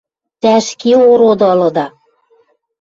Тӓ ӹшке ороды ылыда...